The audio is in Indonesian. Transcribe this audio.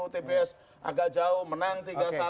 tps agak jauh menang tiga satu